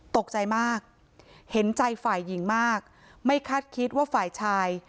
ตกใจมากเห็นใจฝ่ายหญิงมากไม่คาดคิดว่าฝ่ายชาย